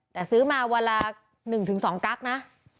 แต่ซื้อมาวันละ๑๒กั๊กนะ